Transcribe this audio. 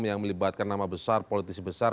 yang melibatkan nama besar politisi besar